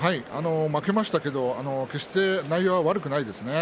負けましたけれども決して内容は悪くないですね。